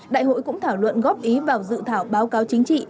đại hội cũng thảo luận góp ý vào dự thảo báo cáo chính trị